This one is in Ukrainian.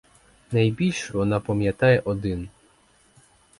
Найбільше вона пам'ятає один.